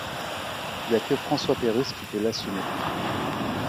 y'a que François Pérusse qui peut l'assumer.